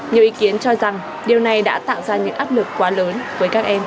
nhiều ý kiến cho rằng điều này đã tạo ra những áp lực quá lớn với các em